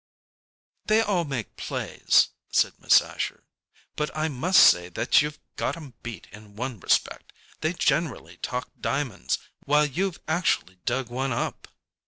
"They all make plays," said Miss Asher. "But I must say that you've got 'em beat in one respect. They generally talk diamonds, while you've actually dug one up."